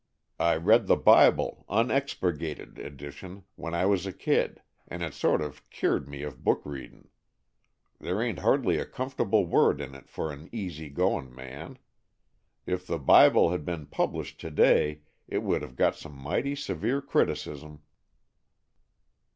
I read the Bible, unexpurgated edition, when I was a kid, and it sort of cured me of book readin'. There ain't hardly a comfortable word in it for an easy goin' man. If the Bible had been published to day it would have got some mighty severe criticism."